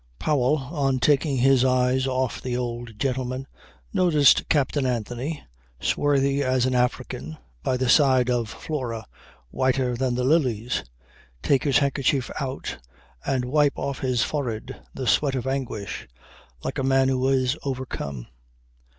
Powell on taking his eyes off the old gentleman noticed Captain Anthony, swarthy as an African, by the side of Flora whiter than the lilies, take his handkerchief out and wipe off his forehead the sweat of anguish like a man who is overcome.